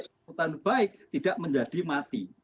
tentang keputusan baik tidak menjadi mati